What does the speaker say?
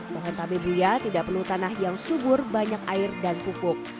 pohon tabe buya tidak perlu tanah yang subur banyak air dan pupuk